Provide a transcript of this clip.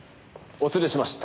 お連れしました。